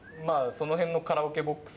その辺のカラオケボックス。